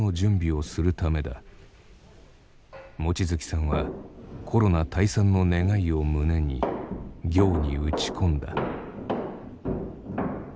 望月さんはコロナ退散の願いを胸に行に打ち込んだ。